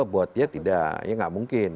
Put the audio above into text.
buat dia tidak ya nggak mungkin